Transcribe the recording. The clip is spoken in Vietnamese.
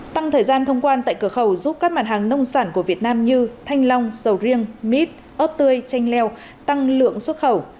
tăng thời gian thông quan tại cửa khẩu giúp các mặt hàng nông sản của việt nam như thanh long sầu riêng mít ớt tươi chanh leo tăng lượng xuất khẩu